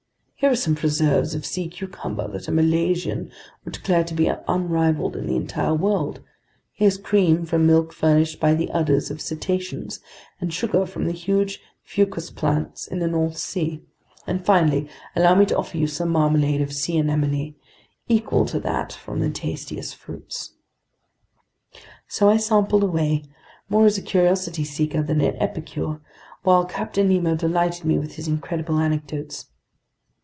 Here are some preserves of sea cucumber that a Malaysian would declare to be unrivaled in the entire world, here's cream from milk furnished by the udders of cetaceans, and sugar from the huge fucus plants in the North Sea; and finally, allow me to offer you some marmalade of sea anemone, equal to that from the tastiest fruits." So I sampled away, more as a curiosity seeker than an epicure, while Captain Nemo delighted me with his incredible anecdotes.